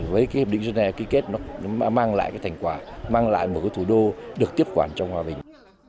với cái hợp định dân hệ ký kết nó mang lại cái thành quả mang lại một cái thủ đô được tiếp quản trong hòa bình